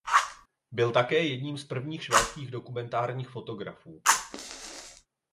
Byl také jedním z prvních švédských dokumentárních fotografů.